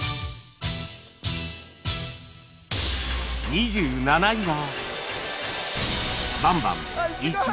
２７位は